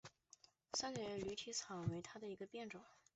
三角叶驴蹄草为毛茛科驴蹄草属下的一个变种。